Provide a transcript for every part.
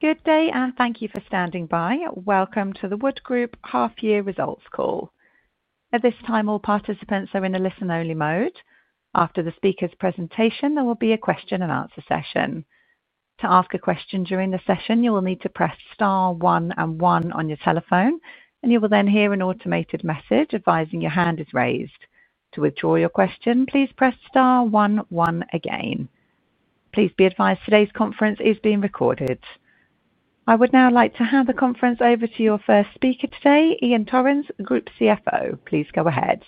Good day, and thank you for standing by. Welcome to the Wood Group half-year results call. At this time, all participants are in a listen-only mode. After the speaker's presentation, there will be a question-and-answer session. To ask a question during the session, you will need to press star one and one on your telephone, and you will then hear an automated message advising your hand is raised. To withdraw your question, please press star one, one again. Please be advised today's conference is being recorded. I would now like to hand the conference over to your first speaker today, Iain Torrens, Group'sCFO, please go ahead.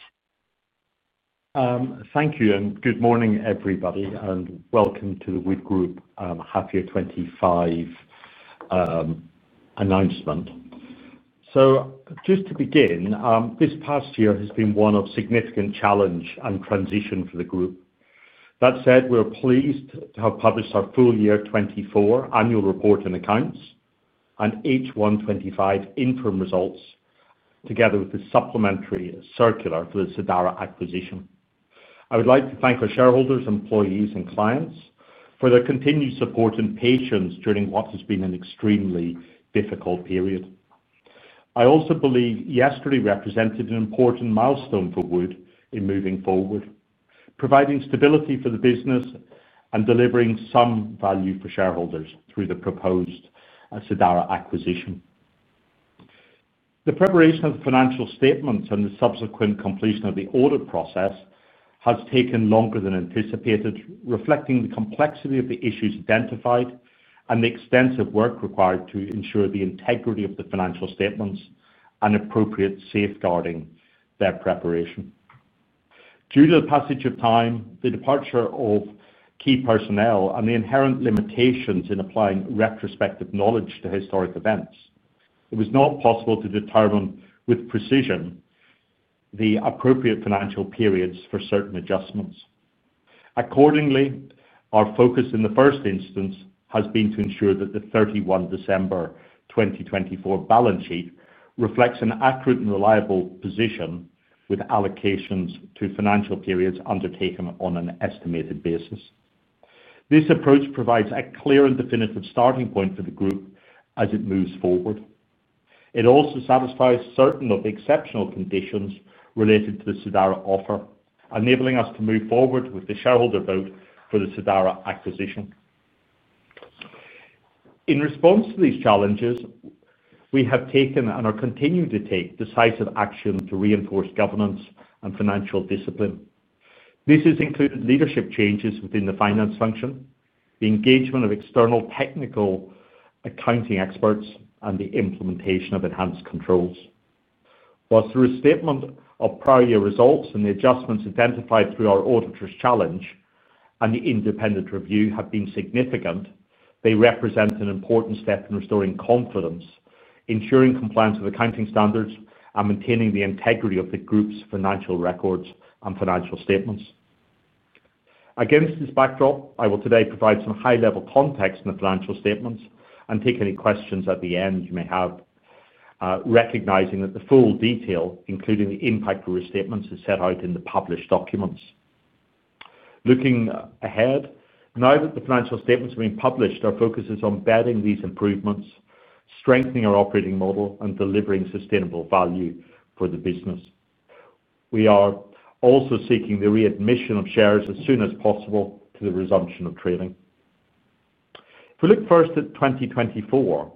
Thank you, and good morning, everybody, and welcome to the Wood Group half-year 2025 announcement. Just to begin, this past year has been one of significant challenge and transition for the group. That said, we're pleased to have published our full year 2024 annual report and accounts, and H1 2025 interim results, together with the supplementary circular for the Sidara acquisition. I would like to thank our shareholders, employees, and clients for their continued support and patience during what has been an extremely difficult period. I also believe yesterday represented an important milestone for Wood in moving forward, providing stability for the business and delivering some value for shareholders through the proposed Sidara acquisition. The preparation of the financial statements and the subsequent completion of the audit process has taken longer than anticipated, reflecting the complexity of the issues identified and the extensive work required to ensure the integrity of the financial statements and appropriate safeguarding of their preparation. Due to the passage of time, the departure of key personnel, and the inherent limitations in applying retrospective knowledge to historic events, it was not possible to determine with precision the appropriate financial periods for certain adjustments. Accordingly, our focus in the first instance has been to ensure that the December 31, 2024 balance sheet reflects an accurate and reliable position with allocations to financial periods undertaken on an estimated basis. This approach provides a clear and definitive starting point for the group as it moves forward. It also satisfies certain of the exceptional conditions related to the Sidara offer, enabling us to move forward with the shareholder vote for the Sidara acquisition. In response to these challenges, we have taken and are continuing to take decisive action to reinforce governance and financial discipline. This has included leadership changes within the finance function, the engagement of external technical accounting experts, and the implementation of enhanced controls. Whilst the restatement of prior year results and the adjustments identified through our auditor's challenge and the independent review have been significant, they represent an important step in restoring confidence, ensuring compliance with accounting standards, and maintaining the integrity of the group's financial records and financial statements. Against this backdrop, I will today provide some high-level context in the financial statements and take any questions at the end you may have, recognizing that the full detail, including the impact of restatements, is set out in the published documents. Looking ahead, now that the financial statements have been published, our focus is on bedding these improvements, strengthening our operating model, and delivering sustainable value for the business. We are also seeking the readmission of shares as soon as possible to the resumption of trading. If we look first at 2024,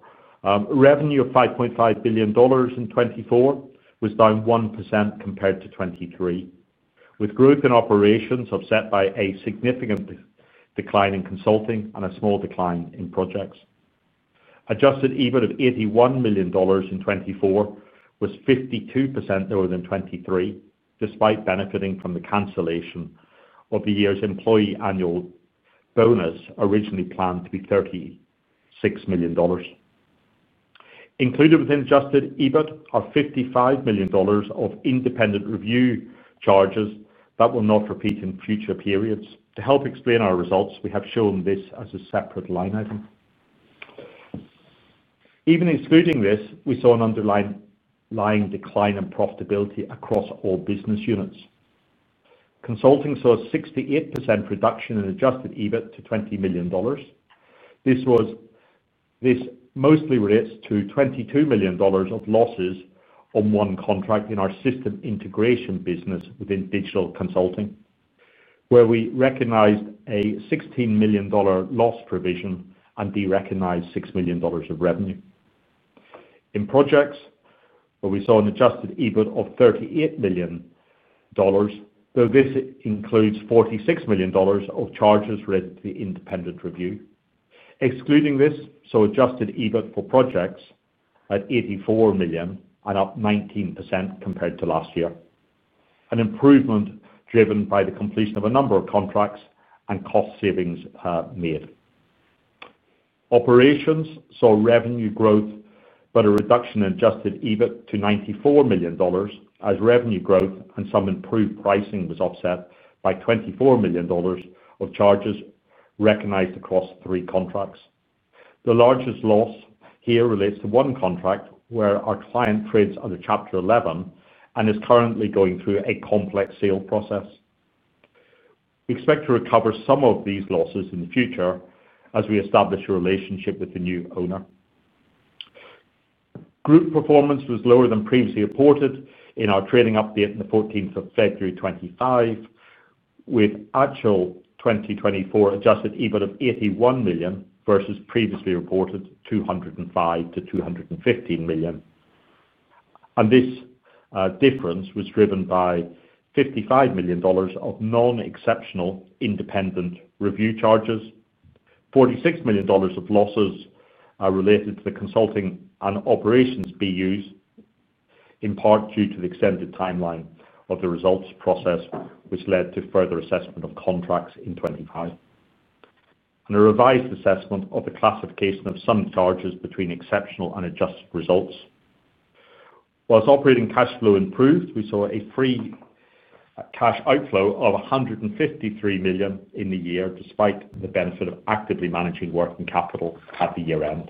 revenue of $5.5 billion in 2024 was down 1% compared to 2023, with growth in Operations offset by a significant decline in Consulting and a small decline in Projects. Adjusted EBIT of $81 million in 2024 was 52% lower than 2023, despite benefiting from the cancellation of the year's employee annual bonus, originally planned to be $36 million. Included within adjusted EBIT are $55 million of independent review charges that will not repeat in future periods. To help explain our results, we have shown this as a separate line item. Even excluding this, we saw an underlying decline in profitability across all business units. Consulting saw a 68% reduction in adjusted EBIT to $20 million. This mostly relates to $22 million of losses on one contract in our system integration business within Digital Consulting, where we recognized a $16 million loss provision and derecognized $6 million of revenue. In Projects, we saw an adjusted EBIT of $38 million, though this includes $46 million of charges related to the independent review. Excluding this, adjusted EBIT for projects at $84 million and up 19% compared to last year, an improvement driven by the completion of a number of contracts and cost savings made. Operations saw revenue growth, but a reduction in adjusted EBIT to $94 million as revenue growth and some improved pricing was offset by $24 million of charges recognized across three contracts. The largest loss here relates to one contract where our client trades under Chapter 11 and is currently going through a complex sales process. We expect to recover some of these losses in the future as we establish a relationship with the new owner. Group performance was lower than previously reported in our trading update on the February 14th, 2025, with actual 2024 adjusted EBIT of $81 million versus previously reported $205 million-$215 million. This difference was driven by $55 million of non-exceptional independent review charges, $46 million of losses related to the Consulting and Operations BUs, in part due to the extended timeline of the results process, which led to further assessment of contracts in 2025 and a revised assessment of the classification of some charges between exceptional and adjusted results. Whilst operating cash flow improved, we saw a free cash outflow of $153 million in the year, despite the benefit of actively managing working capital at the year-end.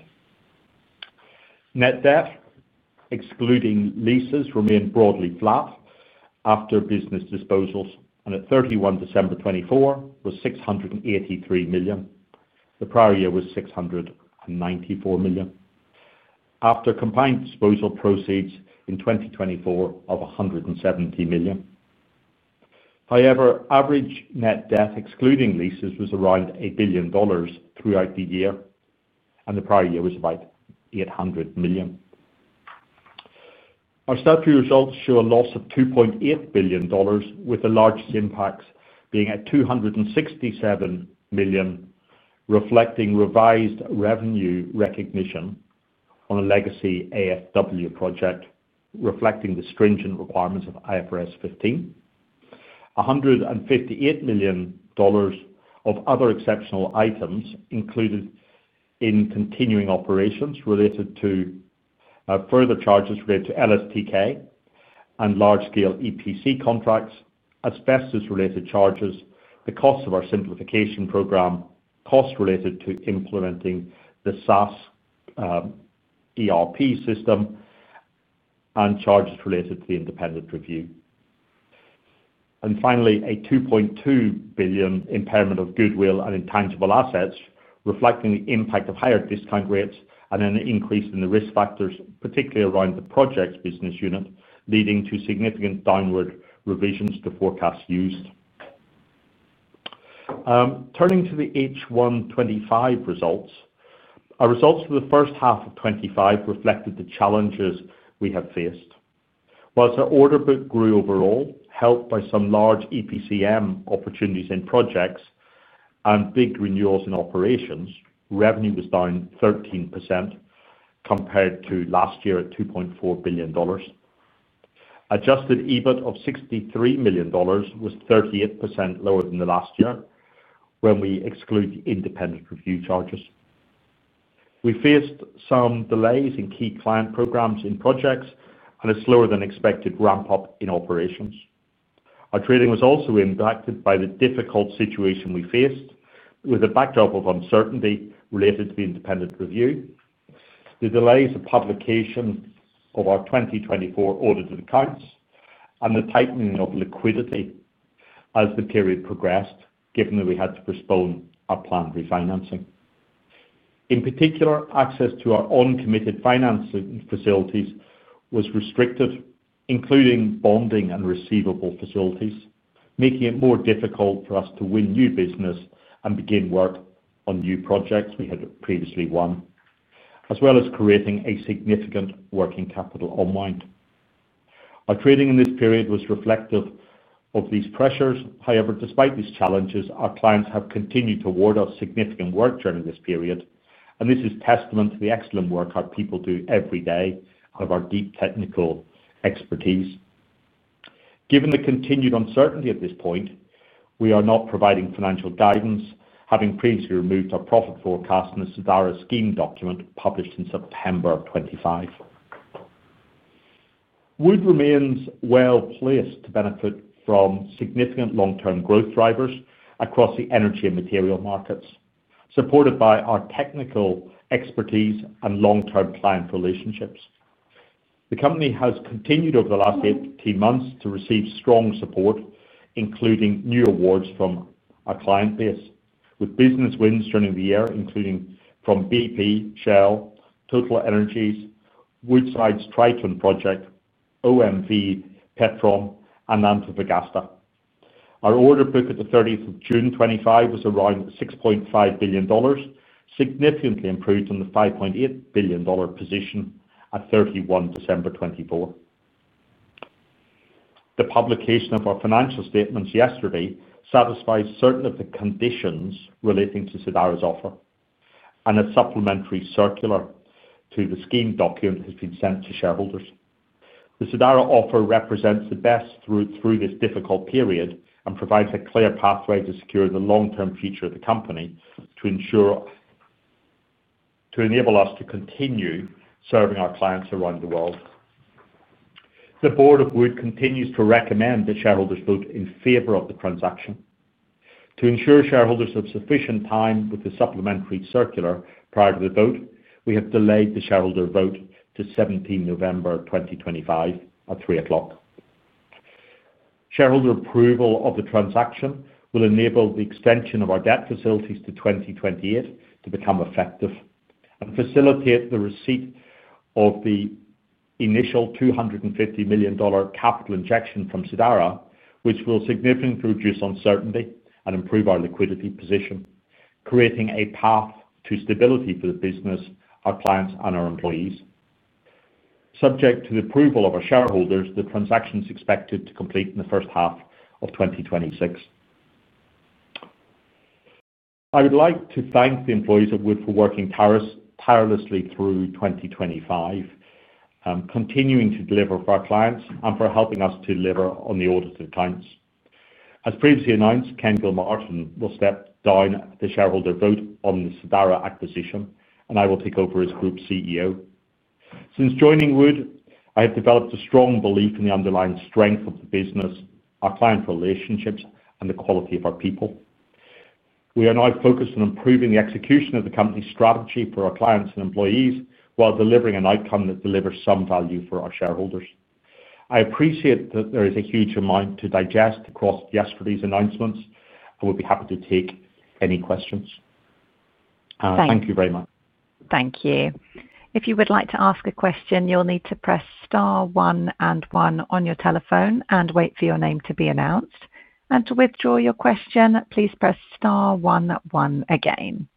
Net debt, excluding leases, remained broadly flat after business disposals, and at December 31, 2024 was $683 million. The prior year was $694 million after combined disposal proceeds in 2024 of $170 million. However, average net debt, excluding leases, was around $1 billion throughout the year, and the prior year was about $800 million. Our statutory results show a loss of $2.8 billion, with the largest impacts being at $267 million, reflecting revised revenue recognition on a legacy AFW project, reflecting the stringent requirements of IFRS 15. $158 million of other exceptional items included in continuing operations related to further charges related to LSTK and large-scale EPC contracts, asbestos-related charges, the cost of our simplification program, costs related to implementing the SaaS ERP system, and charges related to the independent review. Finally, a $2.2 billion impairment of goodwill and intangible assets, reflecting the impact of higher discount rates and an increase in the risk factors, particularly around the projects business unit, leading to significant downward revisions to forecast use. Turning to the H1 2025 results, our results for the first half of 2025 reflected the challenges we have faced. Whilst our order book grew overall, helped by some large EPCM opportunities in projects and big renewals in operations, revenue was down 13% compared to last year at $2.4 billion. Adjusted EBIT of $63 million was 38% lower than last year when we exclude independent review charges. We faced some delays in key planned programs in projects and a slower-than-expected ramp-up in operations. Our trading was also impacted by the difficult situation we faced, with a backdrop of uncertainty related to the independent review, the delays of publication of our 2024 audited accounts, and the tightening of liquidity as the period progressed, given that we had to postpone our planned refinancing. In particular, access to our own committed financing facilities was restricted, including bonding and receivable facilities, making it more difficult for us to win new business and begin work on new projects we had previously won, as well as creating a significant working capital unwind. Our trading in this period was reflective of these pressures. However, despite these challenges, our clients have continued to award us significant work during this period, and this is testament to the excellent work our people do every day and of our deep technical expertise. Given the continued uncertainty at this point, we are not providing financial guidance, having previously removed our profit forecast in the Sadara scheme document published in September 2025. Wood remains well-placed to benefit from significant long-term growth drivers across the energy and material markets, supported by our technical expertise and long-term client relationships. The company has continued over the last 18 months to receive strong support, including new awards from our client base, with business wins during the year, including from BP, Shell, TotalEnergies, Woodside's Triton project, OMV Petrom, and Nantov Agasta. Our order book at June 30, 2025 was around $6.5 billion, significantly improved from the $5.8 billion position at December 31, 2024. The publication of our financial statements yesterday satisfies certain of the conditions relating to Sidara's offer, and a supplementary circular to the scheme document has been sent to shareholders. The Sidara offer represents the best route through this difficult period and provides a clear pathway to secure the long-term future of the company, to enable us to continue serving our clients around the world. The Board of Wood continues to recommend the shareholders vote in favor of the transaction. To ensure shareholders have sufficient time with the supplementary circular prior to the vote, we have delayed the shareholder vote to November 17, 2025 at 3:00 P.M. Shareholder approval of the transaction will enable the extension of our debt facilities to 2028 to become effective and facilitate the receipt of the initial $250 million capital injection from Sidara, which will significantly reduce uncertainty and improve our liquidity position, creating a path to stability for the business, our clients, and our employees. Subject to the approval of our shareholders, the transaction is expected to complete in the first half of 2026. I would like to thank the employees of Wood for working tirelessly through 2025, continuing to deliver for our clients and for helping us to deliver on the audited accounts. As previously announced, Ken Gilmartin will step down after the shareholder vote on the Sidara acquisition, and I will take over as Group CEO. Since joining Wood, I have developed a strong belief in the underlying strength of the business, our client relationships, and the quality of our people. We are now focused on improving the execution of the company's strategy for our clients and employees while delivering an outcome that delivers some value for our shareholders. I appreciate that there is a huge amount to digest across yesterday's announcements, and we'll be happy to take any questions. Thank you very much. Thank you. If you would like to ask a question, you'll need to press star one and one on your telephone and wait for your name to be announced. To withdraw your question, please press star one one again.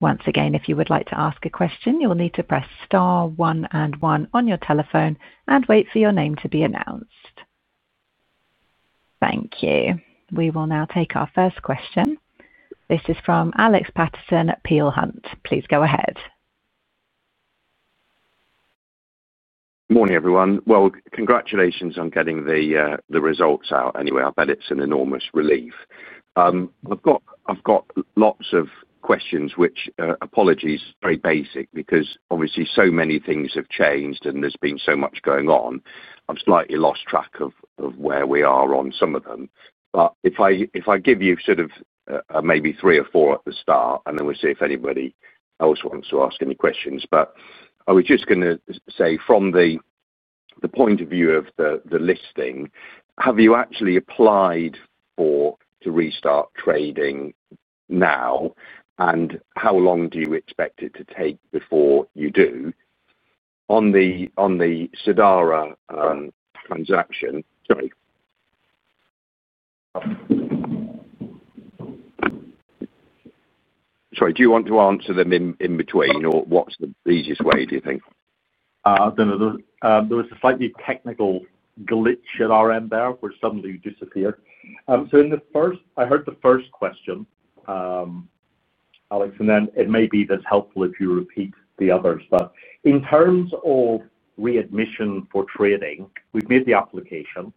Once again, if you would like to ask a question, you'll need to press star one and one on your telephone and wait for your name to be announced. Thank you. We will now take our first question. This is from Alex Patterson at Peel Hunt. Please go ahead. Morning, everyone. Congratulations on getting the results out anyway. I bet it's an enormous relief. I've got lots of questions, which, apologies, very basic, because obviously so many things have changed and there's been so much going on. I've slightly lost track of where we are on some of them. If I give you maybe three or four at the start, then we'll see if anybody else wants to ask any questions. I was just going to say, from the point of view of the listing, have you actually applied to restart trading now, and how long do you expect it to take before you do? On the Sidara transaction, do you want to answer them in between, or what's the easiest way, do you think? There was a slightly technical glitch at our end there where suddenly it disappeared. I heard the first question, Alex, and then maybe that's helpful if you repeat the others. In terms of readmission for trading, we've made the application.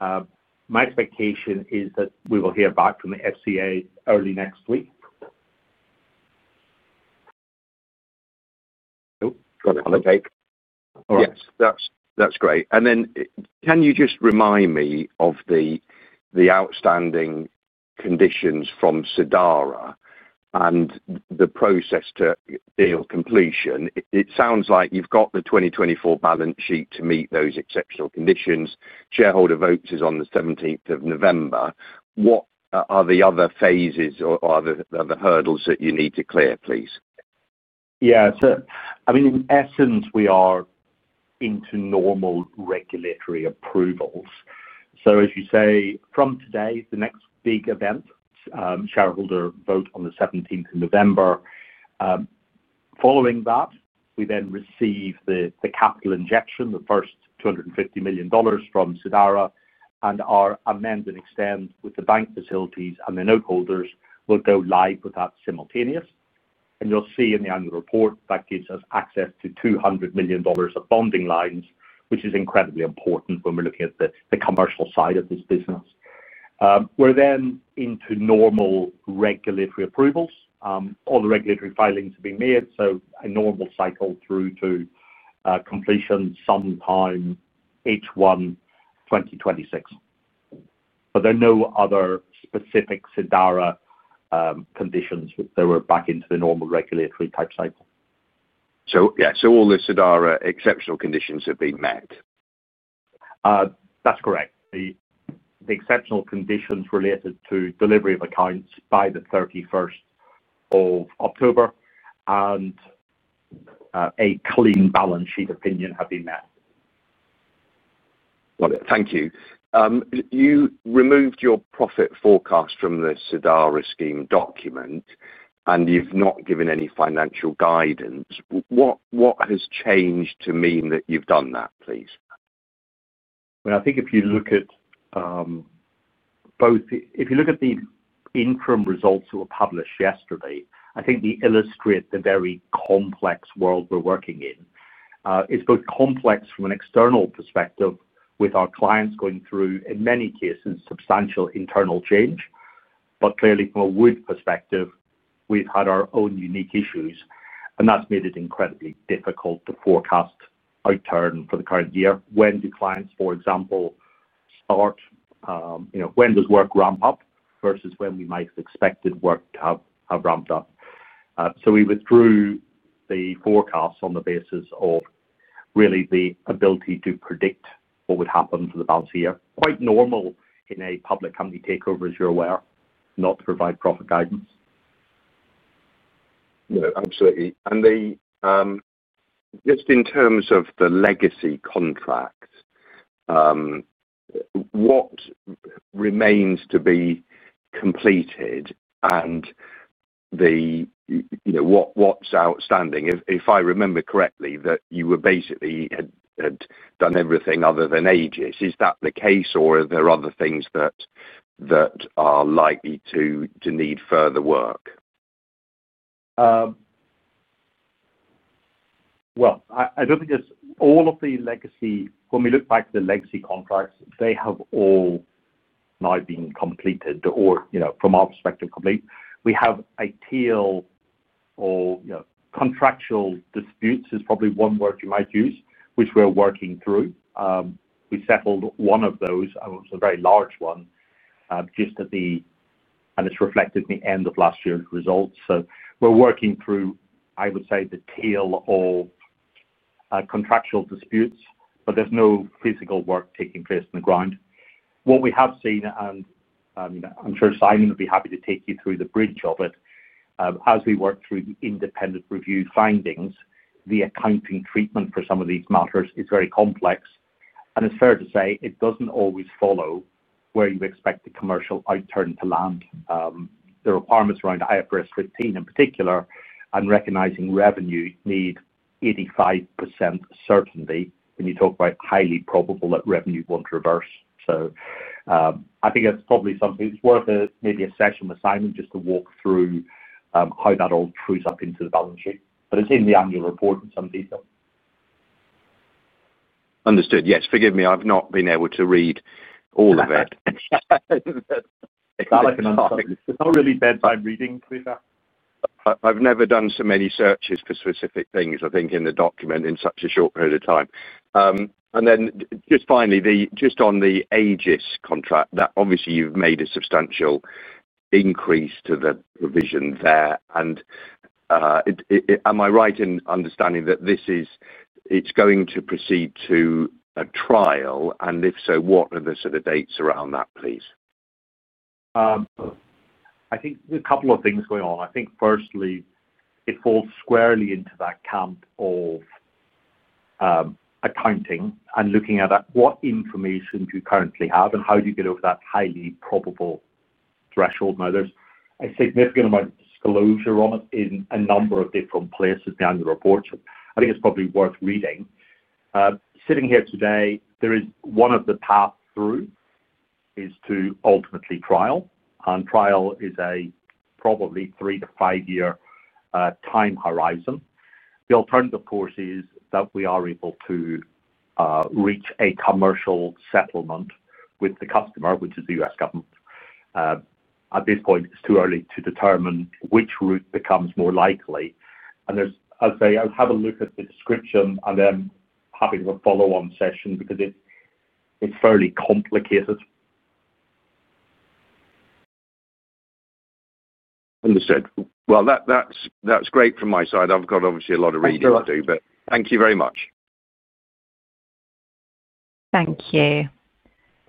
My expectation is that we will hear back from the SCA early next week. Got it on the tape. All right. That's great. Can you just remind me of the outstanding conditions from Sidara and the process to deal completion? It sounds like you've got the 2024 balance sheet to meet those exceptional conditions. Shareholder vote is on the November 17th. What are the other phases or other hurdles that you need to clear, please? Yeah. I mean, in essence, we are into normal regulatory approvals. As you say, from today, the next big event is the shareholder vote on the November 17th. Following that, we then receive the capital injection, the first $250 million from Sidara, and our amend and extend with the bank facilities and the noteholders will go live with that simultaneous. You'll see in the annual report that gives us access to $200 million of bonding lines, which is incredibly important when we're looking at the commercial side of this business. We're then into normal regulatory approvals. All the regulatory filings have been made, so a normal cycle through to completion sometime H1 2026. There are no other specific Sidara conditions; we are back into the normal regulatory type cycle. Yeah, so all the Sidara exceptional conditions have been met? That's correct. The exceptional conditions related to delivery of accounts by the October 31st and a clean balance sheet opinion have been met. Got it. Thank you. You removed your profit forecast from the Sidara scheme document, and you've not given any financial guidance. What has changed to mean that you've done that, please? If you look at both, if you look at the interim results that were published yesterday, I think they illustrate the very complex world we're working in. It's both complex from an external perspective, with our clients going through, in many cases, substantial internal change. Clearly, from a Wood perspective, we've had our own unique issues, and that's made it incredibly difficult to forecast our turn for the current year. When do clients, for example, start. When does work ramp up versus when we might have expected work to have ramped up? We withdrew the forecasts on the basis of really the ability to predict what would happen for the balance of the year. Quite normal in a public company takeover, as you're aware, not to provide profit guidance. No, absolutely. Just in terms of the legacy contract, what remains to be completed and what's outstanding? If I remember correctly, you basically had done everything other than AGES. Is that the case, or are there other things that are likely to need further work? I don't think it's all of the legacy. When we look back at the legacy contracts, they have all now been completed or, from our perspective, complete. We have a tail of contractual disputes, is probably one word you might use, which we're working through. We settled one of those. It was a very large one just at the end, and it's reflected at the end of last year's results. We're working through, I would say, the tail of contractual disputes, but there's no physical work taking place on the ground. What we have seen, and I'm sure Simon would be happy to take you through the bridge of it, as we work through the independent review findings, the accounting treatment for some of these matters is very complex. It's fair to say it doesn't always follow where you expect the commercial outturn to land. The requirements around IFRS 15 in particular, and recognizing revenue, need 85% certainty when you talk about highly probable that revenue won't reverse. I think that's probably something worth maybe a session with Simon just to walk through how that all trues up into the balance sheet. It's in the annual report in some detail. Understood. Yes. Forgive me. I've not been able to read all of it. It's not really bedtime reading, please. I've never done so many searches for specific things, I think, in the document in such a short period of time. Finally, just on the AGES contract, obviously you've made a substantial increase to the provision there. Am I right in understanding that it's going to proceed to a trial? If so, what are the sort of dates around that, please? I think there's a couple of things going on. Firstly, it falls squarely into that camp of accounting and looking at what information do you currently have and how do you get over that highly probable threshold. There's a significant amount of disclosure on it in a number of different places down the report. I think it's probably worth reading. Sitting here today, one of the paths through is to ultimately trial, and trial is a probably three to five-year time horizon. The alternative, of course, is that we are able to reach a commercial settlement with the customer, which is the U.S. government. At this point, it's too early to determine which route becomes more likely. I'll have a look at the description and then happy to have a follow-on session because it's fairly complicated. Understood. That's great from my side. I've got obviously a lot of reading to do, but thank you very much. Thank you.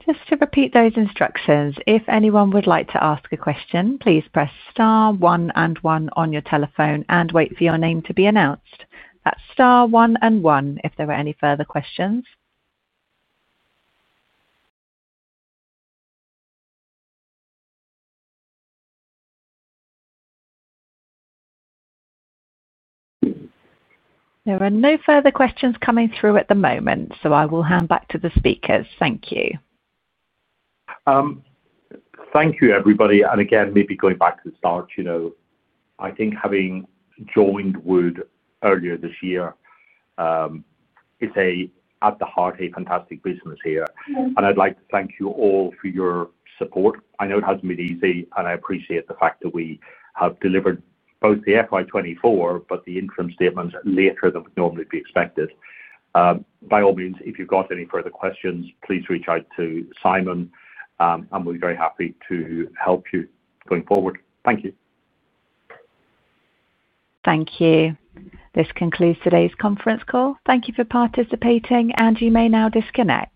Just to repeat those instructions, if anyone would like to ask a question, please press star one and one on your telephone and wait for your name to be announced. That's star one and one if there were any further questions. There are no further questions coming through at the moment, so I will hand back to the speakers. Thank you. Thank you, everybody. Maybe going back to the start, I think having joined Wood earlier this year, it's at the heart of a fantastic business here. I'd like to thank you all for your support. I know it hasn't been easy, and I appreciate the fact that we have delivered both the FY 2024 but the interim statements later than would normally be expected. By all means, if you've got any further questions, please reach out to Simon, and we'll be very happy to help you going forward. Thank you. Thank you. This concludes today's conference call. Thank you for participating, and you may now disconnect.